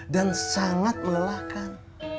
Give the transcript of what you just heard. dan sangat melelahkan